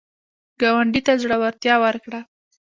ګاونډي ته زړورتیا ورکړه